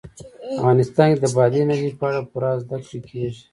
افغانستان کې د بادي انرژي په اړه پوره زده کړه کېږي.